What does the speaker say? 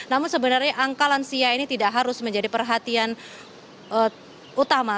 namun sebenarnya angka lansia ini tidak harus menjadi perhatian utama